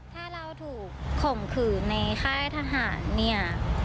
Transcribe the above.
ถ้าเราถูกข่มขืนในค่ายทหารเนี่ย